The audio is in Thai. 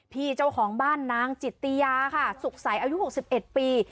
เจ้าของบ้านนางจิตติยาค่ะสุขใสอายุ๖๑ปี